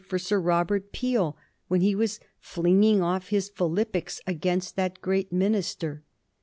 for Sir Robert Peel when he was flinging off his philippics against that great minister.